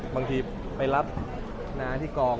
บางทีไปรับน้าที่กอง